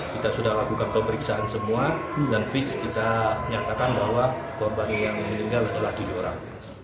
kita sudah lakukan pemeriksaan semua dan fix kita nyatakan bahwa korban yang meninggal adalah tujuh orang